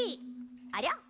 ありゃ？